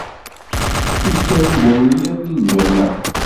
yekker ubunyiḍ di lǧamaɛ.